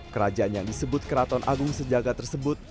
kerajaan yang disebut keraton agung sejagat tersebut